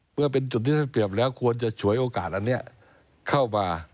เมื่อเป็นจุดที่ท่านเปรียบแล้วควรจะฉวยโอกาสอันนี้เข้ามา